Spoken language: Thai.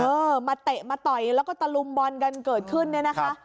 เออมาเตะมาต่อยแล้วก็ตะลุมบอลกันเกิดขึ้นเนี่ยนะคะ